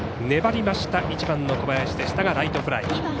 粘りました、１番の小林でしたがレフトフライ。